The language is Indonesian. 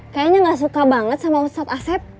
kayanya gak suka banget sama ustadz asep